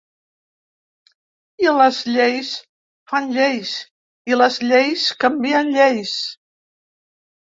I les lleis fan lleis, i les lleis canvien lleis.